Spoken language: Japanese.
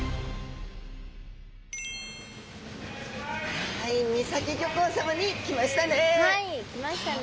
はい三崎漁港さまに来ましたね。